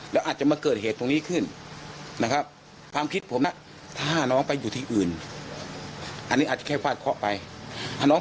เดี๋ยวลองฟังเขาก่อนลองฟาเขาก่อน